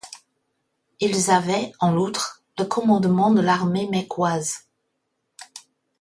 Ils avaient en outre le commandement de l´armée mecquoise.